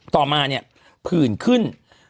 ต่อมาเนี่ยผื่นขึ้น